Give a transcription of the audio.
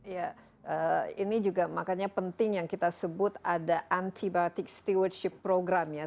ya ini juga makanya penting yang kita sebut ada antibatic stewardship program ya